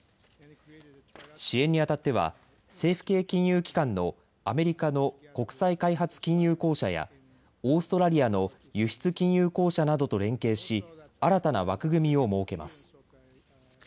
支援にあたっては政府系金融機関のアメリカの国際開発金融公社やオーストラリアの輸出金融公社などと連携し新たな枠組みを設けます。